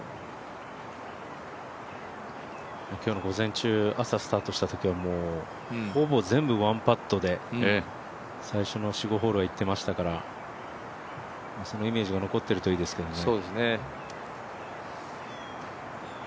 今日の午前中、朝スタートしたときは、ほぼ全部１パットで最初の４５ホールはいってましたからそのイメージが残ってるといいですけどね。